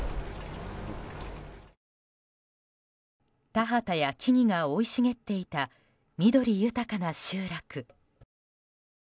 田畑や木々が生い茂っていた緑豊かな集落。